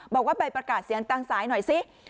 บอกว่าไปประกาศเสียงตามสายหน่อยสิ